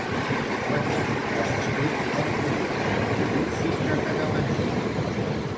Quantes parades té el trajecte en autobús fins a Tagamanent?